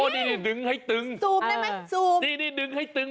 จับตาดูเอาเอส